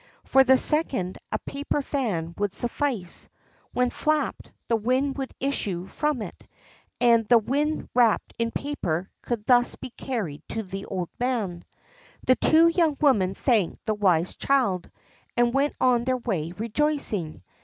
For the second a paper fan would suffice. When flapped, wind would issue from it, and the "wind wrapped in paper" could thus be carried to the old man. The two young women thanked the wise child, and went on their way rejoicing.